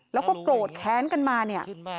แล้วก็โกรธแค้นกันมาเนี่ย